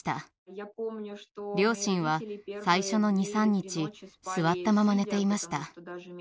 両親は最初の２３日座ったまま寝ていました。